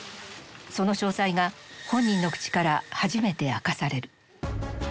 その詳細が本人の口から初めて明かされる。